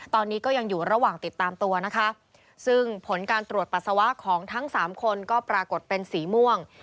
ตอนนี้ก็ยังอยู่ระหว่างติดตามตัวนะคะซึ่งผลการตรวจปัสสาวะของทั้งสามคนก็ปรากฏเป็นสีม่วง